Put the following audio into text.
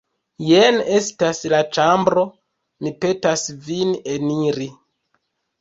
Jen estas la ĉambro; mi petas vin eniri.